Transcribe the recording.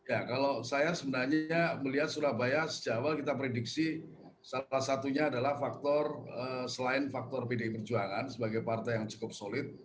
ya kalau saya sebenarnya melihat surabaya sejak awal kita prediksi salah satunya adalah faktor selain faktor pdi perjuangan sebagai partai yang cukup solid